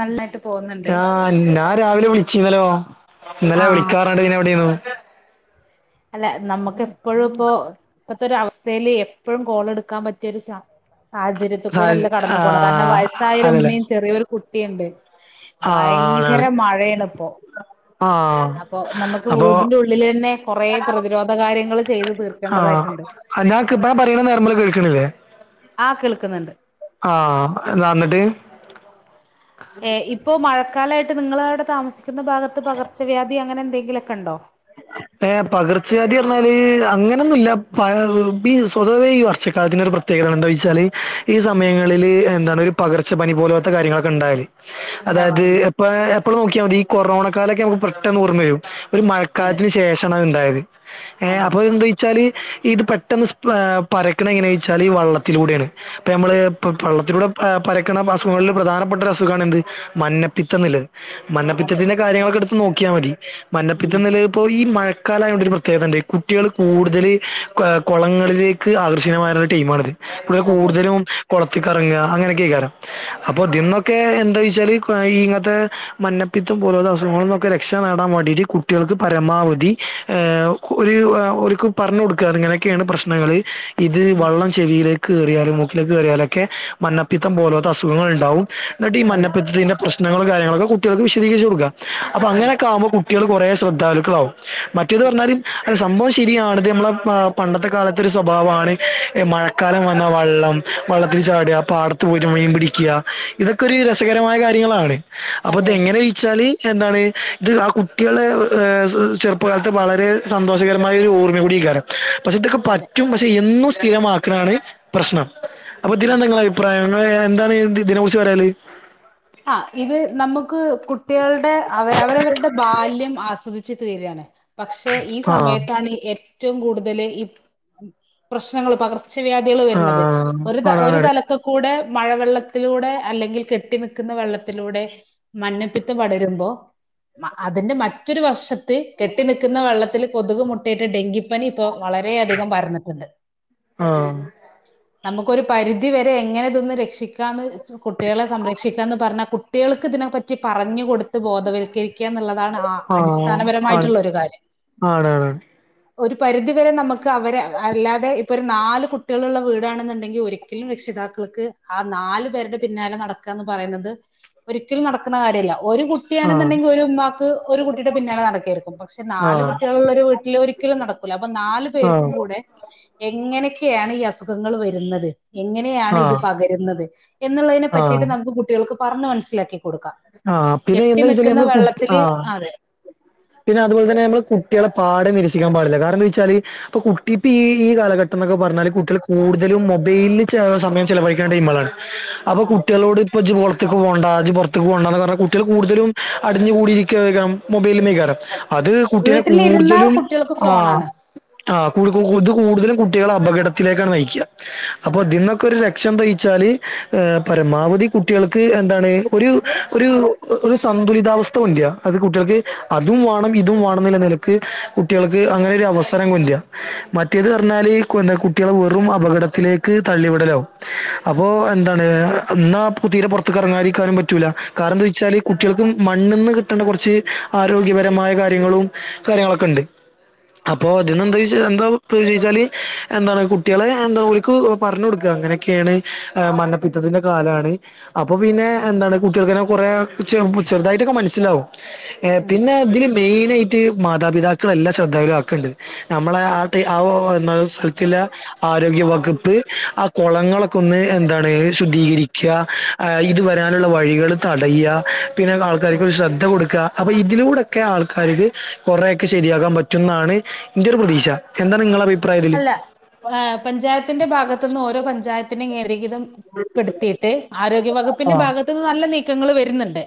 നല്ല ആ ഞാൻ രാവിലെ വിളിചീന്നല്ലോ ഇന്നലെ വിളിക്കാന്ന് പറഞ്ഞിട്ട് പിന്നെ എവിടെയെന്ന് ൻ്റെ അല്ല നമ്മുക്ക് എപ്പഴും പ്പോ ഇപ്പത്തോര വസ്ഥയില് എപ്പഴും കാളെട്ക്കാൻ പറ്റിയരു ചാൻ സാഹച സാഹചര്യത്തികൂടെല്ല കടന്നു പോകുന്നെ കാരണം ആഹ് വയസ്സായൊരു അതല്ലേ ഉമ്മിം ചെറിയൊരു കുട്ടിണ്ട് ആഹ് ഭയങ്കര ആണാണ് മഴേണ് ഇപ്പൊ ആഹ് അപ്പൊ നമ്മക്ക് അപ്പൊ വീടിൻ്റുള്ളിലെന്നെ കുറേ പ്രതിരോധ കാര്യങ്ങള് ചെയ്തു തീർക്കേണ്ടതായിട്ടുണ്ട് ആഹ് ഞാൻ ഇപ്പ പറയണ നേർമല കേൾക്കണില്ലേ ആ കേൾക്കുന്നുണ്ട് ആഹ് എന്താ ന്നിട്ട് ഏ ഇപ്പൊ മഴ ൽക്കാലായിട്ട് നിങ്ങളവടെ താമസിക്കുന്ന ഭാഗത്ത് പകർച്ചവ്യാധി അങ്ങനെ എന്തെങ്കിലൊക്കെണ്ടോ ഏ പകർച്ചവാതിന്നറിഞ്ഞാല് അങ്ങനെയൊന്നുല്ല പകർ ഈ സ്വതവേ ഈ വർഷക്കാലത്തിനൊരു പ്രത്യേക ങ്ങനൊണ്ടോ ന്നോയ്ചാല് ഈ സമയങ്ങളില് ന്താണ് ഒരു പകർച്ചപ്പനി പോലോത്ത കാര്യങ്ങളൊക്കെ ണ്ടായി അതായത് ഉണ്ടാവാറുണ്ട് എപ്പ എപ്പൊ നോക്കിയാമതി, ഈ കൊറോണ കാലൊക്കെ നമക്ക് പെട്ടെന്ന് ഓർമ്മ വരും ഒരു അതെ കാലത്തിന് ശേഷാണ് അത്ണ്ടായത്. ഏ അതെ അപ്പൊ അതെ എന്താെച്ചാല് ഇത് പെട്ടെന്ന് സ്പ്രാ പരക്ക്ണ എങ്ങനെയാന്നച്ചാല് ഈ വള്ളത്തിലൂടെയാണ് അപ്പൊ നമ്മള് വള്ളത്തിലൂടെ ആ പരക്ക്ണ അസുഖങ്ങളിൽ പ്രധാനപ്പെട്ട ഒരു അസുഖാണ് എന്ത് മഞ്ഞപ്പിത്ത ന്ന്ള്ളത്. അതെ മഞ്ഞപ്പിത്തത്തിന്റെ കാര്യങ്ങളൊക്കെ ഇട്ത്ത് നോക്കിയാമതി. ഉം മഞ്ഞപ്പിത്ത നില് ഈ മഴക്കാലയോണ്ടൊരു പ്രത്യേകതണ്ട്. കുട്ട്യാള് കൂടുതൽ കോ കൊളങ്ങളിലേക്ക് ആകർഷണീയമായ ടീമാണിത് ഇവടെ അതെ അതെ കൂടുതലും കൊള ചുറ്റിക്കറങ്ങ അങ്ങനെക്കെയ്കാരം അപ്പൊ തിന്നൊക്കെ ന്താന്നോയ്ച്ചാല് ങ്ങത്തെ മഞ്ഞപ്പിത്ത പോലോത്ത അസുഖങ്ങളിന്നൊക്കെ രക്ഷ നേടാൻ വേണ്ടിട്ട് കുട്ട്യാൾക്ക് പരമാവധി ഏ ഓര് ഓര്ക്ക് പറഞ്ഞോട്ക ഇങ്ങനെകേണ് പ്രശ്നങ്ങള് ഇത് ഉം വള്ളം ചെവിലേക്ക് കേറിയാലും മൂക്കിലേക്ക് കേറിയാലൊക്കെ മഞ്ഞപ്പിത്തം പോലോത്തെ അസുഖങ്ങളുണ്ടാവും, ന്നിട്ട് ഈ അതെ മഞ്ഞപിത്തത്തിന്റെ പ്രശ്നങ്ങളും കാര്യങ്ങളൊക്കെ കുട്ടികൾക്ക് വിശദീകരിച്ച് കൊടുക്ക. അപ്പൊ അതെ അങ്ങനൊക്കെ ആവുമ്പോ കു കുട്ടിയാൾ കുറെ ശ്രദ്ധാലുക്കളാവും. മറ്റേത് പറഞ്ഞാൽ സംഭവം ശെരിയാണത്. മ്മളെ ആ പണ്ടത്തെ കാലത്തൊരു സ്വഭാവമാണ് മഴക്കാലം വന്നാ വള്ളം വള്ളത്തിൽ ചാട്ആ പാടത്ത് പോയീട്ട് മീൻ പിടിക്ക്യ ഇതൊക്കെ ഒരു രസകരമായ കാര്യങ്ങളാണ്. അപ്പൊ അതെ അതെ ഇതെങ്ങനെഴിച്ചാല് എന്താണ് ഇത് ആ കുട്ടിയാളെ ഏ ചെറുപ്പകാലത്ത് വളരെ സന്തോഷകരമായ ഒരു ഓർമ്മ കൂടിയ്കാരം. പക്ഷെ ഇതൊക്കെ അതെ പറ്റും. പക്ഷെ എന്നും സ്ഥിരമാക്കണാണ് പ്രശ്നം അപ്പൊ അതെ തിലെങ്ങളെ അഭിപ്രായം. ങ്ങളെ എന്താണ് തിനെകുറിച്ച് പറനുള്ളത്. ആ ഇത് നമുക്ക് കുട്ടികൾടെ അവർ അവരവരുടെ ബാല്യം ആസ്വദി ച്ച് തീരാണ്. പക്ഷെ ഈ ആ സമയത്താണ് ഏറ്റ റ്റവും കൂടുതൽ ഈ പ്രശ്നങ്ങൾ പകർ കർചവ്യാധികൾ ആ വര്ന്നത്. ഒരു ഒരു ആണാണാണ് തലത്ത് കൂടെ മഴവെള്ളത്തിലൂടെ അല്ലങ്കിൽ കെട്ടിനിക്ക് ന്ന വെള്ളത്തിലൂടെ മഞ്ഞപ്പിത്തം പടരുമ്പോ, അതിന്റെ മറ്റൊരു വശത്തി ത്തി കെട്ടി നിക്കുന്ന വെള്ളത്തിൽ കൊതുക് മുട്ടിയിട്ട് ഡെങ്കിപ്പനി പ്പോ വളരെയധികം പരന്നിട്ടുണ്ട്. ആ നമുക്കൊരു പരിധിവരെ എങ്ങനെ ഇതൊന്ന് രക്ഷിക്കാന്ന് കുട്ടിയാളെ സംര ക്ഷിക്കാന്ന് പറഞ്ഞാ കുട്ടിയാൾക്ക് ഇതിനെപ്പറ്റി പറഞ്ഞ് കൊടുത്ത് ബോധവൽക്കരി ക്‌യാ ന്ന്ള്ളതാണ് ആ ആണ് അടിസ്ഥാനപരമായിട്ടുള്ളൊരു കാര്യം. ആണാണ് ഒരു പരിധിവരെ നമക്ക് അവരെ അല്ലാതെ ഇപ്പൊരു നാല് കുട്ടികളുള്ള വീടാണെന്ന്ണ്ടെങ്കിൽ ഒരിക്കലും രക്ഷിത താക്കൾക്ക് ആ നാല് പേരുടെ പിന്നാലെ നടക്ക് ആന്ന് പറയുന്നത് ഒരിക്കലും നടക്ണ കാര്യല്ല. ഒരു ആ കുട്ടിയാണെന്നുണ്ടെങ്കിൽ ഒരു ഉമ്മാക്ക് ഒരു കുട്ടിയുടെ പിന്നാലെ നടയ്ക്കര്ക്കും, പക്ഷെ നാല് ആ കുട്ടിയാളുള്ളൊരു വീട്ടിൽ ഒരിക്കലും നടക്കി അപ്പൊ നാലു ആഹ് പേർക്കും കൂടെ എങ്ങനൊക്കെയാണ് ഈ അസുഖങ്ങൾ വരുന്നത് എങ്ങനെയാണ് ഇത് ആഹ് പകരുന്നത് എന്ന് ത്തിട്ട് ആഹ് നമുക് കുട്ടിയാൾക്ക് പറഞ്ഞ്നസ്സിലാക്കി കൊടുക്കാ. ആഹ് പിന്നെ കെട്ടി എന്താ വെച്ചാല് നിക്കുന്ന നമ്മള് കു വെള്ളത്തില് ആഹ് ആ അതെ പിന്നെ അതു പോൽ തന്നെ കുട്ടിയാളെ പാഠം നിരസിക്കാൻ പാടില്ല. കാരണം ന്തായ്ച്ചാൽ ഇപ്പൊ കുട്ടി ഇപ്പ ഈ ഈ കാലഘട്ടം ന്നൊക്കെ പറഞ്ഞാൽ കുട്ടിയാൾ കൂടുതലും മൊബൈല് ചാ സമയം ചെലവഴിക്കേണ്ട ടീ മ്മളകളാണ്. അപ്പൊ അതെ കുട്ടികളോട് ഇപ്പൊ ഇജ്ജ് ഓൾ ത്ത്ക്ക് പോണ്ട ജ് പൊറത് ക്ക് പോകണ്ടന്ന് പറഞ്ഞ കുട്ടിയാൾ കൂടുതലും അടിഞ്ഞുകൂടിയിരിക്കെയ്ക്കാരം മൊബൈൽമേ അത് കുട്ടിയാള് വീട്ടിലിരുന്നാൽ കൂടുതലും കുട്ടികൾക്ക് ആ ഫോണാണ് ആ കൂടു കൂടുതലും കുട്ടികളെ അപകടത്തിലേക്കാണ് നയിക്ക്യ. അപ്പൊ അതെ അതിന്നൊക്കെ ഒരു രക് ക്ഷം തയ്ച്ചാല് പരമാവധി കുട്ടിയൾക്ക് എന്താണ് ഒരു അതെ ഒരു ഒരു സന്തുലിതാവസ്ഥ ഉല്യാ, അത് കുട്ടിയാൾക്ക് അതും വാണം ഇതും വാണം ന്ന നില കുട്ടിയാൾക്ക് അങ്ങനൊരു അവസരംല്ല്യാ. മറ്റേതർഞ്ഞാല് കോ കുട്ടിയാളെ വെറും അപകടത്തിലേക്ക് തള്ളിവിടലാവും. അപ്പൊ ന്താണ് അതെ ന്നാ കു തീരെ പുറത്ത്ക്ക് അറങ്ങാരിക്കാനും പറ്റൂല. കാരണം ന്താച്ചാല് കുട്ടിയാൾക് മണ് മണ്ണ്ന്ന് കിട്ടേണ്ട കൊർച്ച് അരോഗ്യപരമായ കാര്യങ്ങളും കാര്യങ്ങളൊക്കെ ഇണ്ട്. അപ്പോ അതെ ഇതിനന്താ യ്ച്ചാ ന്താവും പുഞ്ചിച്ചാല് എന്താണ് കുട്ടിയാളെ എന്താ ഓൽക് പറഞ് കൊടക്കാ ങ്ങനൊക്കേണ് മഞ്ഞപ്പിത്തത്തി തിന്റെ കാലാണ് അപ്പൊ പിന്നെ അതെ എന്താണ് കുട്ടിയാൾക്കെന്നെ കൊറേ ചെർ പുച് ചെർതായിട്ടൊക്കെ മനസ്സിലാവും ഏഹ് ഉം. പിന്നെ തില് മെയിനായിട്ട് മാതാപിതാക്കളല്ല ശ്രദ്ധയ്ല് ആക്ക്ണ്ട് നമ്മളെ ആഹ് തൈ ആവോ സ്ത്തില ആരോഗ്യ വകുപ്പ് ആഹ് കൊളങ്ങളൊക്കെ ഒന്ന് അതെ എന്താണ് ശുദ്ധികരിക്ക്യ ആഹ് ഇത് അതെ വരാനുള്ള വഴികൾ തടയ്യ പിന്നെ ആ ആൾക്കാർക്ക് ക്കൊരു ശ്രദ്ധ കൊടുക്ക് ആ ഇതിലൂടൊക്കെ ആൾക്കാർക്ക് കൊറെയൊക്കെ ശെരിയാകാൻ പറ്റുംന്നാണ് ഇന്റെ ഒരു പ്രതീക്ഷ എന്താ നിങ്ങളെ അഭി അല്ല അഹ് പഞ്ചായത്തിന്റെ ഭാഗത്തുന്ന് ഓരോ പഞ്ചായത്തിനും [unintelligible] ദം പെടുത്തീട്ട് ആരോഗ്യ വകുപ്പിന്റെ ആഹ് ഭാഗത്തുന്ന് നല്ല നീക്കങ്ങൾ വെരുന്നുണ്ട്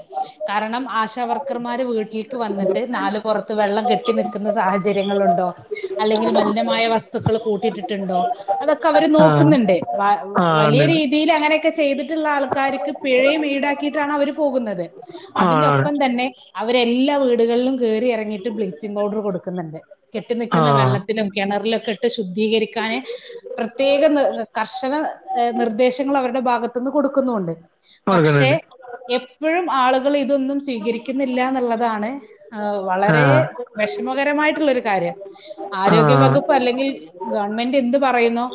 കാരണം ആശാവർക്കർമാർ വീട്ടിൽക്ക് വന്നിട്ട് നാല് പൊറത്ത് വെള്ളം കെട്ടി നിൽക്കുന്ന സാഹചര്യങ്ങളുണ്ട് ണ്ടോ അല്ലെങ്കിൽ മലിനമായ വസ്തുക്കൾ കൂട്ടിയിട്ടിട്ട്ണ്ടോ അതൊക്കെ അവര് ആഹ് നോക്കുന്ന്ണ്ട് വലിയ ഉണ്ട് ഉണ്ട് രീതിയിൽ അങ്ങനൊക്കെ ചെയ്തിട്ടുള്ള ആൾക്കാർക്ക് പിഴയും ഈടാക്കിയിട്ടാണ് അവര് പോകുന്നത് ആഹ് അതിന്റെ ആണ് ഒപ്പം തന്നെ അവരെല്ലാ വീടുകളിലും കേറി ഇറങ്ങിയിട്ട് ബ്ലീച്ചിങ് പൗഡർ കൊടുക്കുന്നുണ്ട് കെട്ടി ആണ് നിക്കുന്ന ആഹ് വെള്ളത്തിലും കെണറിലും ശുദ്ധീകരിക്കാന് പ്രത്യാക നി കർശന നിർദ്ദേശങ്ങൾ അവരുടെ ഭാഗത്ത്ന്ന് കൊട്ത്ത് കൊടുക്കുന്നുണ്ട് പക്ഷെ കൊടുക്കുന്നുണ്ട് എപ്പഴും ആളുകൾ ഇതൊന്നും സ്വീകരിക്ക്ന്നില്ല എന്നുള്ളതാണ് വളരെ ആഹ് വെഷമകരമായിട്ടുള്ളൊരു കാര്യം ആരോഗ്യ ആഹ് വകുപ്പ് അല്ലെങ്കിൽ ഗവൺമെന്റ് എന്ത് പറയുന്നോ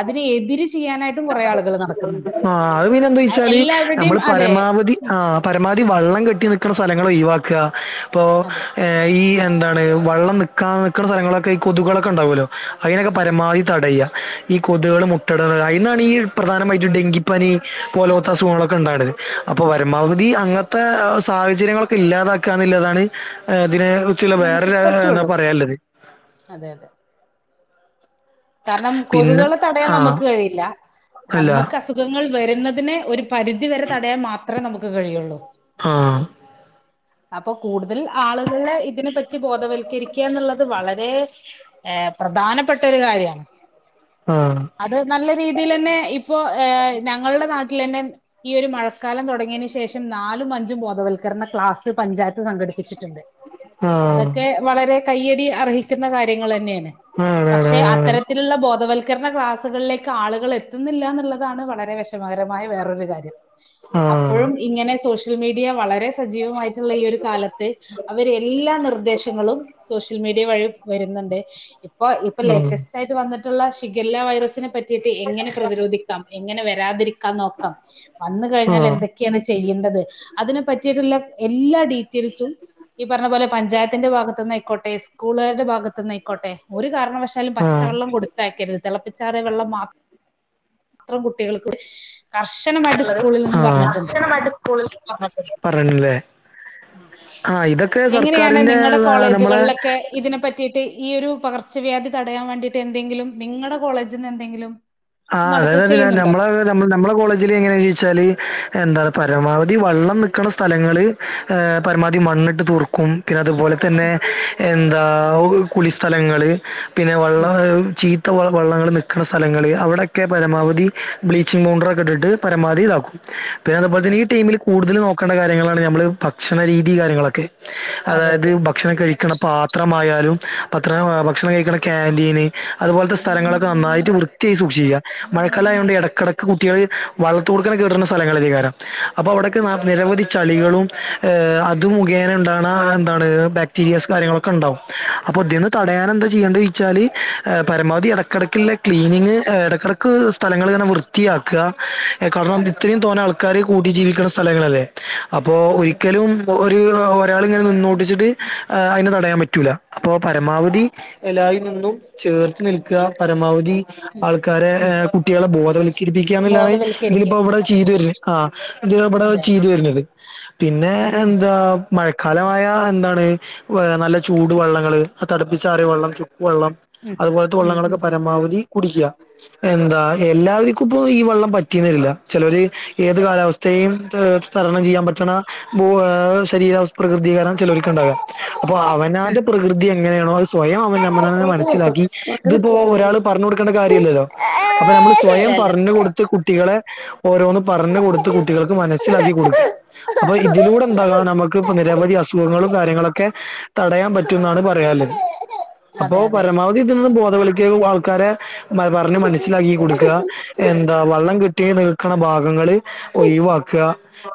അതിനെ എതിര് ചെയ്യാനായിട്ടും കുറേ ആളുകൾ നടക്കുന്നുണ്ട് ആഹ് അത് പിന്നെന്താ ച്ചാല് നമ്മൾ എല്ലാവരുടെയും അതെ പരമാവധി ആഹ് പരമാവധി വള്ളം കെട്ടി നിക്ക്ന്ന സ്ഥല- ങള് ഒഴിവാക്ക അപ്പോ അതെ ഈ- ന്താണ് വള്ളം നിക്കാ നിക്ക്ണ സ്ഥലങ്ങളൊക്കെ ഈ കൊതുകുകളൊക്കെ ഉണ്ടാവല്ലോ അതിനെയൊക്കെ അതെ പരമാവി തടയാ ഈ കൊതുകൾ മുട്ടടുക ഐന്നാണ് ഈ പ്രധാനമായിട്ടും ഡെങ്കിപ്പനി പോലോത്ത അതെ അതെ അസുഖങ്ങളൊക്കെ ഉണ്ടാണിത് അപ്പൊ പരമാവധി അങ്ങത്തെ സാഹചര്യങ്ങളൊക്കെ ഇല്ലാതാക്കാന്ന്ള്ളതാണ് അതിനെ കുറിച്ചുള്ള നമുക്ക് വേറൊരു എന്നാ പറ്റുള്ളൂ പറയാൻള്ളത് അതെ അതെ കാരണം കൊതുകൾ തടയാൻ ആ നമക്ക് കഴിയില്ല അല്ല നമുക്ക് അസുഖങ്ങൾ വരുന്നതിന് ഒരു പരിധി വരെ തടയാൻ മാത്രേ നമുക്ക് കഴിയുള്ളൂ ആഹ് [inaudible] അപ്പൊ കൂടുതൽ ആളുകളെ ഇതിനെ പറ്റി ബോധവൽക്കരിക്ക്യ എന്നുള്ളത് വളരെ പ്രധാനപ്പെട്ട ഒരു കാര്യാണ് ആ ആ അത് നല്ല രീതിയിൽ തന്നെ ഇപ്പോ ഏഹ് ഞങ്ങളുടെ നാട്ടിൽ തന്നെ ഈ ഒരു മഴക്കാലം തുടങ്ങിയതിനു ശേഷം നാല് ലും മഞ്ചും ബോധവൽക്കരണ ക്ലാസ് പഞ്ചായത്ത് സംഘടിപ്പിച്ചിട്ടുണ്ട്. ആ, അതൊക്കെ വളരെ കൈയ്യടി അർഹിക്കുന്ന കാര്യങ്ങൾ തന്നെണ് ആണ് ആണ് പക്ഷെ ആണ് അത്തരത്തി ബോധവൽക്കരണ ക്ലാസുകളിലേക്ക് ആളുകൾ എത്തുന്നില്ലന്നുള്ളതാണ് വളരെ വിഷമകരമായ വേറൊരു കാര്യം ആഹ് അപ്പഴും ഇങ്ങനെ സോഷ്യൽ മീഡിയ വളരെ സജീവമായിട്ടുള്ള ഈ ഒരു കാലത്ത് അവർ എല്ലാ നിർദ്ദേശങ്ങളും സോ ഷ്യൽ മീഡിയ വഴി വരുന്നുണ്ട് ഇപ്പൊ ഇപ്പൊ ഉം ലേറ്റസ്റ്റ് ആയി വന്നിട്ടുള്ള ഷിഗല്ല വൈറസ്നെ പറ്റിട്ട് എങ്ങനെ പ്രതിരോധിക്കാം എങ്ങനെ വെരാതിരിക്കാം നോക്കാം വന്ന് ഒരു കഴിഞ്ഞാൽ ആഹ് എന്തൊക്കെയാണ് ചെയ്യ്ന്നത് അതിനെ പറ്റിയിട്ടുള്ള എല്ലാ ഡീറ്റെയിൽസും പറഞ്ഞ പോലെ പഞ്ചായത്തിന്റെ ഭാഗത്ത് നിന്നയ്ക്കോട്ടെ സ്കൂളാരുടെ ഭാഗത്ത് നിന്ന് ആയ്ക്കോട്ടെ ഒരു കാരണവശാലും പ ആഹ് പച്ചവെള്ളം കൊടുത്തയക്കരുത് തിളപ്പിച്ചാറിയ വെള്ളം മാത്രം കുട്ടികൾക്ക് കർശനമായിട്ട് സ്കൂളിൽ നിന്ന് പറഞ്ഞിട്ടുണ്ട് [unintelligible] ആഹ് [unintelligible] ഇതൊക്കെ എങ്ങനെയാണ് സർക്കാരിന്റെ നിങ്ങടെ നമ്മളെ കോളേജുകൾലൊക്കെ ഇതിനെ പറ്റീട്ട് ഈ ഒരു പകർച്ച പകർച്ചവ്യാധി തടയാൻ വേണ്ടിയിട്ട് എന്തെങ്കിലും നിങ്ങളുടെ കോളേജിൽ നിന്ന് എന്തെങ്കിലും ആഹ് അതായത് നടത്ത അത് ചെയ്യുന്നുണ്ടോ നമ്മ നമ്മെ കോളേജിൽ എങ്ങനെയാ ചോയ്ച്ചാല് എന്താ പറ പരമാവധി വെള്ളം നൽക്കണ സ്ഥലങ്ങള് ഹ പരമാവധി മണ്ണിട്ട് തൂർക്കും പിന്നെ അതുപോലെ തന്നെ- എന്താ കുളിസ്ഥഥലങ്ങള്- പിന്നെ ഉം വള്ളം ചീത്ത വ വള്ളങ്ങൾ നിൽക്കുന്ന സ്ഥലങ്ങളിൽ- അവിടെയൊക്കെ പരമാവധി ബ്ലീച്ചിങ് പൗഡർ ഒക്കെ ഇട്ടിട്ട് പരമാവധി താക്കും. പിന്നെ അതുപോലെ ഉം തന്നെ ഈടീമിൽ കൂടുതൽ നോക്കണ്ട കാര്യങ്ങളാണ് നമ്മള് ഭക്ഷണ രീതി കാര്യങ്ങളൊക്കെ. അതെ അതായത് അതെ ഭക്ഷണം കഴിക്കണ പാത്രമായാലും പത്രം ഭക്ഷണം കഴിക്കണ കാന്റീൻ - അതുപോലത്തെ സ്ഥലങ്ങളൊക്കെ നന്നായിട്ട് വൃത്തിയായി സൂക്ഷിക്കുക മഴക്കാലായതുകൊണ്ട് ഇടക്കിടക്ക്- കുട്ടികള് വളളത്തോടുക്ക കേറുന്ന സ്ഥലങ്ങളം അപ്പോ അവിടക്കെ നിരവധി ചളികളും - അത് മുഖേന ണ്ടാക്ന എന്താണ് ബാക്ടീരിയാസ് കാര്യങ്ങളൊക്കെ ഉണ്ടാാവും അപ്പൊ അതിൽന്ന് തടയൻ എന്താ ചെയ്യ? ചാല് പരമാവധി ഇടക്കിടക്കുള്ള ക്ലീൻ- ഇടക്കിടക്ക് സ്ഥലങ്ങിൽങ്ങനെ വൃത്തിയാക്കുക കാരണം അതെ ഇത്രയും തോന്നെ ആൾക്കാരെ കൂടി ജീവിക്ക- സ്ഥലങ്ങളല്ലേ അപ്പോ അതെ ഒരിക്കലും ഒര് - ഒരാള് ഇങ്ങനെ നിന്നോട്ടിച്ചിട്ട് അതിനെ തടയാൻ പറ്റൂല. അപ്പോ പരമാവധി എലായി നിന്നും ചേർത്ത് നിൽക്കുക പരമാവധി ഉം ആൾക്കാരെ ഉം കുട്ടികളെ ബോധവൽക്കരിപ്പിക്കുകന്നുള്ളാണ് ബോധവൽക്കരിക്കുക. ഇതിലിപ്പോ അവിടെ ചെയ്തു വരുന്നത് ആ ഇബടെ അതെ അതെ ചെയ്തു വരുന്നത് പിന്നെ ഉം ഉം എന്താ മഴ കാലമായ എന്താണ് നല്ല ചൂട് വെള്ളങ്ങൾ ആ തടുപ്പിച്ചാറിയ വള്ളം വെള്ളം ഉം അതുപോലത്തെ ഉം വള്ളങ്ങളൊക്കെ ഉം പരമാവധി കുടിക്കുക എന്താ എല്ലാവർക്കും ഇപ്പൊ ഈ വെള്ളം പറ്റിയന്നരില്ല ചിലര് ഏത് കാലാവസ്ഥേയും ത തരണം ചെയ്യാൻ പറ്റ ഭക്ഷണ ബോ ശരീര പ്രകൃതീകരണം ചേലോൽക് ണ്ടാക. അപ്പൊ അവനാന്റെ പ്രകൃതി എങ്ങനെ നേന്നോ സ്വയം അവനമ്മന മനസിലാക്കി ഇതിപ്പോ ഒരാൾ പറഞ്ഞ കാര്യല്ലല്ലോ അപ്പൊ നമ്മൾ ഇല്ല സ്വയം ഇല്ല പറഞ്ഞു കൊടുത്ത് കുട്ടികളെ ഏ ഓരോന്ന് പറഞ്ഞ് കൊടുത്ത് കുട്ടികൾക്ക് മനസ്സിലാക്കി കൊടുക്ക് അപ്പൊ ഇതിലൂടെ എന്താകാ നമുക്ക് ഇപ്പൊ നിരവധി അസുഖങ്ങളും കാര്യങ്ങളൊക്കെ തടയാൻ പറ്റും എന്നാണ് പറയാല് അപ്പോ അതെ അതെ പരമാവധി ഇതിൽന്ന് ബോ ബോധവൽകയ് ആൾക്കാരെ പറഞ്ഞ് മനസ്സിലാക്കി കൊടുക്കുക എന്താ വള്ളം കിട്ടിയെ നിൽക്കണ ഭാഗങ്ങള് ഒയിവാക്ക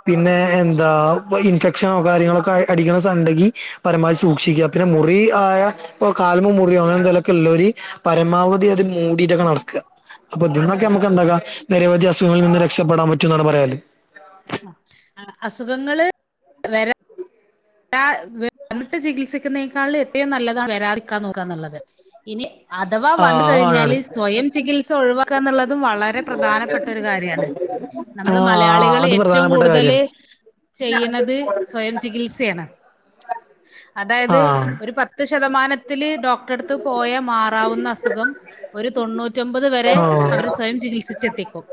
പിന്നെ എന്താ ഇപ്പൊ ഇൻഫെക്ഷനോ കാര്യങ്ങളോൊക്കെ അടിക്കണ സണ്ടങ്കി പരമാവധി സൂക്ഷിക്കുക പിന്നെ മു മുറി ആയ ഇപ്പൊ കാൽമ മുറിയോ അങ്ങനെന്തലൊക്കെല്ലോല് ഒരു പരമാവധി അത് മൂടീട്ടൊക്കെ നടക്കുക അപ്പൊ ഇതിന്നൊക്കെ അതെ നമുക്ക് എന്താകാ നിരവധി അസുഖങ്ങളിൽ നിന്ന് രക്ഷപ്പെടാൻ പറ്റും എന്നാണ് പറയാല് വേറെ ടാ വി വിട്ട് ചികിത്സിക്കുന്നതിനേക്കാൾ എത്രയും നല്ലതാണ് വരാതിരിക്കാൻ നോക്കാ എന്നുള്ളത് ഇനി അഥവാ വന്ന് ആഹ് ആണാണ് കഴിഞ്ഞാല് സ്വയം ചികിത്സ ഒഴിവാക്കാ എന്നുള്ളതും വളരെ പ്രധാനപ്പെട്ട ഒരു കാര്യാണ് നമ്മള് ആഹ് മലയാളികൾ അത് ഏറ്റവും പ്രധാനപ്പെട്ട കൂടുതല് കാര്യാണ് ചെയ്യുന്നത് സ്വയം ചികിത്സയാണ് അതായത് ആഹ് ഒരു പത്ത് ശതം ശതമാനത്തില് ഡോക്ടറെ അടുത്ത് പോയാ മാറാവുന്ന അസുഖം ഒരു തൊണ്ണൂറ്റ് ശ നൂറ്റൊമ്പത് വരെ ആഹ് അവർ സ്വയം ചികിത്സിച്ചെത്തിക്കും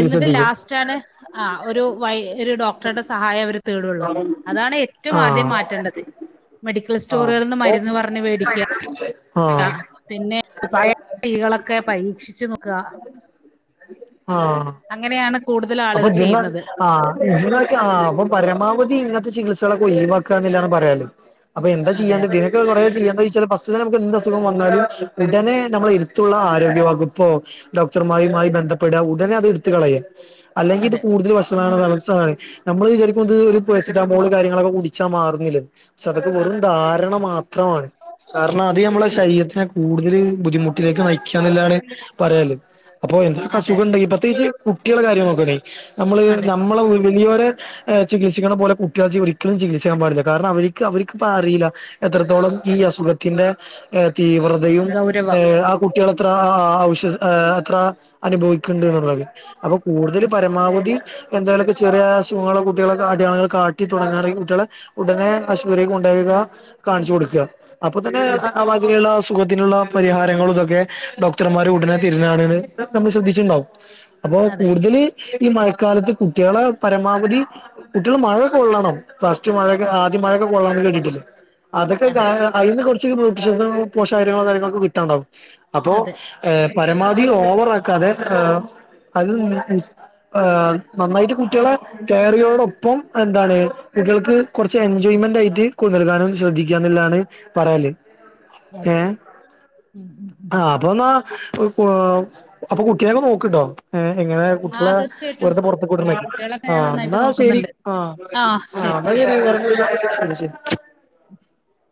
എന്നിട്ട് ലാസ്റ്റ് ആണ് ആ ഒരു വയ് ഒരു ഡോക്ടറുടെ സഹായം അവർ തേടുള്ളൂ അതാണ് ഏറ്റവും ആദ്യം ആഹ് മാറ്റേണ്ടത് മെഡിക്കൽ സ്റ്റോറുകളിൽ നിന്ന് ആഹ് മരുന്ന് പറഞ്ഞ് മേടിക്കുക ക പിന്നെ ഉപായ കൈകളൊക്കെ പരീക്ഷിച്ചു നോക്കുക ആഹ് അങ്ങനെയാണ് കൂടുതൽ അപ്പൊ ആളുകൾ ഇതിന്ന് ചെയ്യുന്നത് ആ ഇതിനക്കെ ആ അപ്പൊ പരമാവധി ഇങ്ങത്തെ ചികിത്സകളൊക്കെ ലീവാക്കാന്ന്ല്ല ആണ് പറയാല്ലേ അപ്പൊ എന്താ അതെ ചെയ്യാണ്ട് അതെ ഇതിനക്കെ എന്താ ചെയ്യാന്നോയ്ച്ചാൽ ഫസ്റ്റിൽ തന്നെ നമുക് ഉടനെ നമ്മൾ ഇരുത്തുള്ള ആരോഗ്യ വകുപ്പൊ ഡോക്ടർമാരുമായി ബന്ധപ്പെടുക ഉടൻ അല്ലങ്കി അതെടുത്തു കളയ അല്ലങ്കി ഇത് അതെ കൂടുതൽ വഷളാക്ണ സമയത്ത് സഹാ നമ്മൾ വിചാരിക്കും ഇത് ഉം ഒരു കൊസ് റ്റമോൾ കാര്യങ്ങളൊക്കെ കുടിച്ചാ മാറുന്നില്ലത് പക്ഷേ അതൊക്കെ വെറും ധാരണ. മാത്രം ത്രമാണ് കാരണം അത് നമ്മളുടെ ശരീരത്തിനെ കൂടുതൽ ബുദ്ധിമുട്ടിലേക്ക് നയിക്കുകന്നല്ലതാണ് പറയാല്ലേ അപ്പൊ എന്തൊക്കാ അ അതെ സുഖം ഉണ്ടെങ്കി പ്രത്യേകിച്ച് കുട്ടികളുടെ കാര്യം നോക്കണി നമ്മള് അതെ നമ്മളെ വി വലിയോരെ ചികിത്സിക്കുന്ന പോലെ കുട്ടികളെ ഒരിക്കലും ചികിത്സിക്കാൻ പാടില്ല കാരണം അവർക്ക് അവർക്കിപ്പോ അറീല എത്രത്തോളം ഈ അസുഖത്തിന്റെ ഏ തീവ്രതയും ഏ ഗൗരവം ആ കുട്ടികൾ അത്ര അവശ്യ ഏ അത്ര അനുഭവിക്ണ്ട്ന്നും അപ്പൊ കൂടുതല് പരമാവധി എന്തെലൊക്കെ ചെറിയ അസുഖങ്ങൾ കുട്ട്യേൾ അടയാളങ്ങൾ കാട്ടി തുടങ്ങാണ് കുട്ട്യേളെ ഉടനെ ആശുപത്രീക് കൊണ്ടെയാക്കുക കാണിച്ചു കൊടുക്കുക അപ്പൊ തന്നെ അതെ അതിനുള്ള അസ് സുഖത്തിനുള്ള പരിഹാരങ്ങളും ഇതൊക്കെ ഡോക്ടർമാര് ഉടനെ തിരുന്നാണെ ന്ന് നമ്മൾ ശ്രദ്ധിച്ചിട്ടുണ്ടാവും അപ്പൊ അതെ കൂടുതല് ഈ മഴക്കാലത്ത് കുട്ടികളെ പരമാവധി കുട്ടികള് മഴ കൊള്ളണം ഫസ്റ്റ് മഴക്കെ ഉം ആദ്യ മഴയൊക്കെ കൊള്ളേണ്ടത് കേട്ടിട്ടില്ലേ അതൊക്കെ ക അതെ അയ്‌ന്ന് കൊ ർ [unintelligible] പോഷകങ്ങൾ കാര്യങ്ങളൊക്കെ കിട്ടാണ്ടാവും അപ്പോൾ അതെ ഏ പരമാവധി ഓവറാക്കാതെ ഏ അത് നന്നായിട്ട് കുട്ടികളെ കയറിയോടൊപ്പം എന്താണ് കുട്ടികൾക്ക് കുറച്ച് എൻജോയ്മെന്റ് ആയിട്ട്കൂടുതൽ കാലം ശ്രദ്ധിക്കുക എന്നുള്ളതാണ് പറയാല് ഏ അതെ ഉം ഉം ഉം ആ അപ്പൊന്നാ അപ്പൊ കുട്ടിയൊക്കെ നോക്കിട്ടോ എങ്ങനെ ആ കുട്ടികളെ തീർച്ചയായിട്ടും വെറുതെ പുറത്തേക്ക് വിടാൻ നോക്ക് കുട്ടികളൊക്കെ ആ ഞാൻ നന്നായിട്ട് എന്ന ശെരി നോക്കുന്നുണ്ട് ആ ആ ശരി ആ ശരി എന്ന [inaudible] [inaudible]